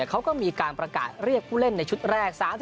เขาก็มีการประกาศเรียกผู้เล่นในชุดแรก